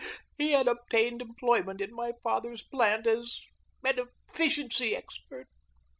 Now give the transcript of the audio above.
He had obtained employment in my father's plant as an efficiency expert.